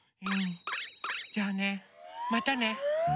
うんじゃあね。またね。